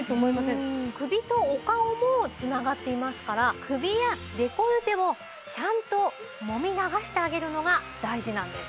首とお顔も繋がっていますから首やデコルテをちゃんともみ流してあげるのが大事なんです。